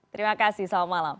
terima kasih selamat malam